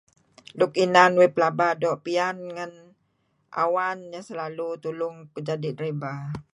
Luk inan uih pelaba do pian ngan awan[an...], selalu tolong kuh jadi driva.